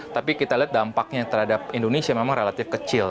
tapi kita lihat dampaknya terhadap indonesia memang relatif kecil